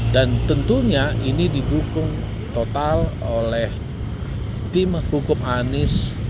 dan tentunya ini didukung total oleh tim hukum anis